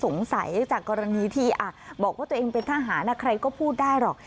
สงสัยจากกรณีที่บอกว่าตัวเองเป็นทหารใครก็พูดได้หรอก